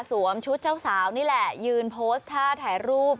ชุดเจ้าสาวนี่แหละยืนโพสต์ท่าถ่ายรูป